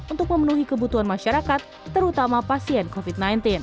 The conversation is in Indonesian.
untuk memenuhi kebutuhan masyarakat terutama pasien covid sembilan belas